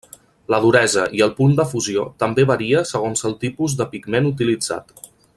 La duresa i el punt de fusió també varia segons el tipus de pigment utilitzat.